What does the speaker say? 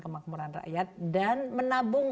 kemakmuran rakyat dan menabung